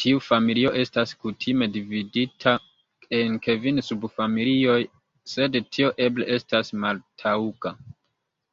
Tiu familio estas kutime dividita en kvin subfamilioj, sed tio eble estas maltaŭga.